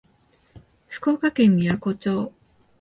福岡県みやこ町